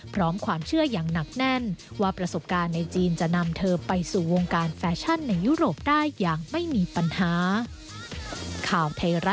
พร้อมความเชื่ออย่างหนักแน่นว่าประสบการณ์ในจีนจะนำเธอไปสู่วงการแฟชั่นในยุโรปได้อย่างไม่มีปัญหา